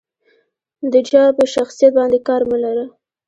د جا په شخصيت باندې کار مه لره.